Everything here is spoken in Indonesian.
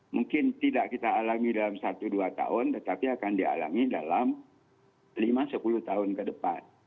mungkin tidak kita alami dalam satu dua tahun tetapi akan dialami dalam lima sepuluh tahun ke depan